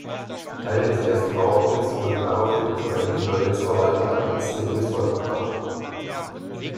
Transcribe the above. Teile des ersten Bauabschnitts wurden daraufhin von einem Insolvenzverwalter an einzelne Investoren verkauft.